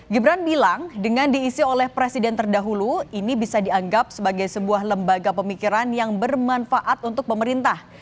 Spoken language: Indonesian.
gibran bilang dengan diisi oleh presiden terdahulu ini bisa dianggap sebagai sebuah lembaga pemikiran yang bermanfaat untuk pemerintah